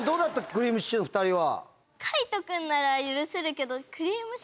くりぃむしちゅーの２人は。